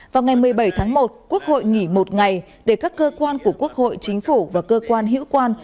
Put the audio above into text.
vào ngày một mươi bảy tháng một quốc hội nghỉ một ngày để các cơ quan của quốc hội chính phủ và cơ quan hữu quan